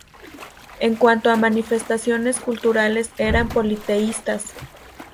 En cuanto a manifestaciones culturales eran politeístas.